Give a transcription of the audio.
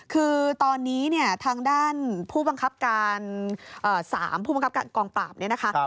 คือตอนนี้เนี่ยทางด้านผู้บังคับการ๓ผู้บังคับการกองปราบเนี่ยนะคะ